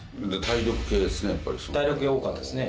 体力系多かったですね。